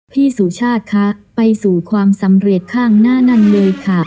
สุชาติคะไปสู่ความสำเร็จข้างหน้านั่นเลยค่ะ